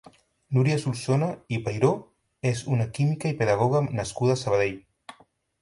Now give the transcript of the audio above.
Núria Solsona i Pairó és una química i pedagoga nascuda a Sabadell.